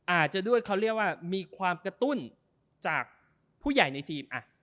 อาจจะด้วยเขาเรียกว่ามีความกระตุ้นจากผู้ใหญ่ในทีม